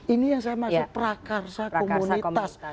ini yang saya maksud prakarsa komunitas